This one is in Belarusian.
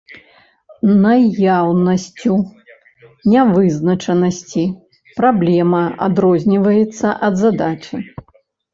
Наяўнасцю нявызначанасці праблема адрозніваецца ад задачы.